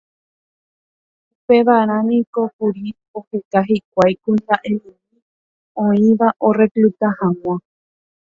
upevarã niko kuri oheka hikuái kuimba'emimi oĩva orecluta hag̃ua